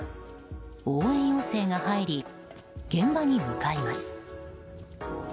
応援要請が入り現場に向かいます。